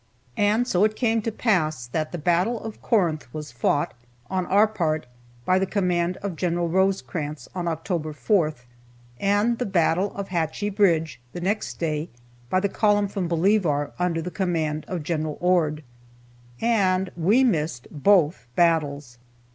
And so it came to pass that the battle of Corinth was fought, on our part, by the command of Gen. Rosecrans on October 4th, and the battle of Hatchie Bridge the next day by the column from Bolivar, under the command of Gen. Ord, and we missed both battles.